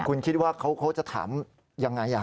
คุณคิดว่าเขาจะถามยังไง